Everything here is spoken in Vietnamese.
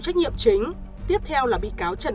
trách nhiệm chính tiếp theo là bị cáo trần